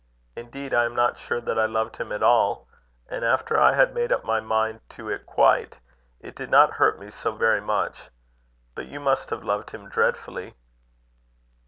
Indeed, I am not sure that I loved him at all; and after I had made up my mind to it quite, it did not hurt me so very much. But you must have loved him dreadfully."